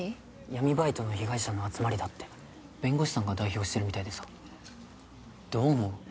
闇バイトの被害者の集まりだって弁護士さんが代表してるみたいでさどう思う？